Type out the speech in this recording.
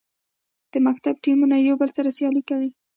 د مکتب ټیمونه یو بل سره سیالي کوي.